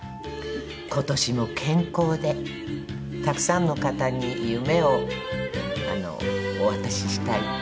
今年も健康でたくさんの方に夢をお渡ししたい。